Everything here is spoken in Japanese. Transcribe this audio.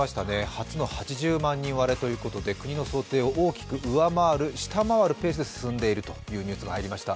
発表の８０万人割れということで、国の想定を大きく下回るペースで進んでいるということでした。